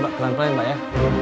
mbak pelan pelan mbak ya